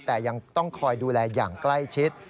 แต่ยังต้องคอยดูแลอย่างใกล้ชิด